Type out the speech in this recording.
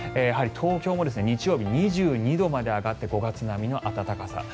東京も日曜日、２２度まで上がって５月並みの暖かさ。